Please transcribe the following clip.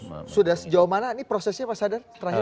kemana ini prosesnya mas hadar